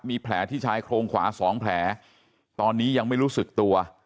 มีแผลที่ชายโครงขวาสองแผลตอนนี้ยังไม่รู้สึกตัว